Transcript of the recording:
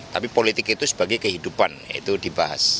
tapi politik itu sebagai kehidupan itu dibahas